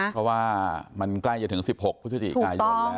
เพราะว่ามันใกล้จะถึง๑๖พฤศจิกายนแล้ว